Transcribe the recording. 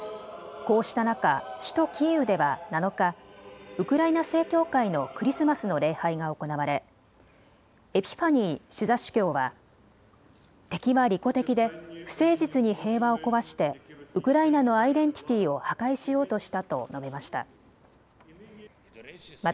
こうした中、首都キーウでは７日、ウクライナ正教会のクリスマスの礼拝が行われエピファニー首座主教は敵は利己的で不誠実に平和を壊してウクライナのアイデンティティーを破壊しようとしたと述べました。